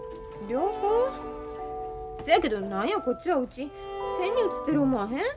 せやけど何やこっちはうち変に写ってる思わへん？